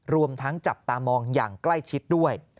รวมทั้งจับตามองอย่างใกล้ชิดด้วย